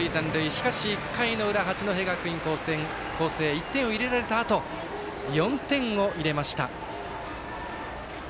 しかし１回の裏、八戸学院光星１点を入れられたあと４点を入れました。